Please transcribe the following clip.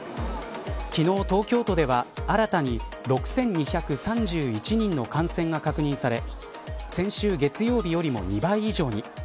昨日、東京都では新たに６２３１人の感染が確認され先週月曜日よりも２倍以上に。